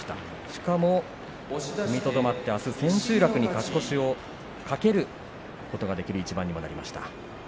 しかも踏みとどまってあす、千秋楽に勝ち越しを懸けることができる一番にもなりました。